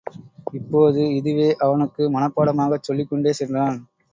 இப்போது, இதுவே அவனுக்கு மனப்பாடமாகச் சொல்லிக்கொண்டே சென்றான்.